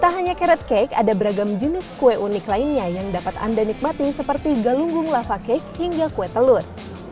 tak hanya carrot cake ada beragam jenis kue unik lainnya yang dapat anda nikmati seperti galunggung lava cake hingga kue telur